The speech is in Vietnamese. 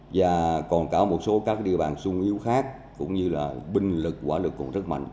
và còn cả một số các địa bàn sung yếu khác cũng như là binh lực quả lực cũng rất mạnh